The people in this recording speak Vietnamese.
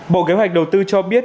bộ kế hoạch đầu tư cho biết